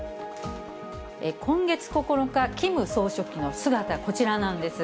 今月９日、キム総書記の姿、こちらなんです。